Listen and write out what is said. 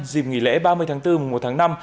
dìm nghỉ lễ ba mươi tháng bốn mùa tháng năm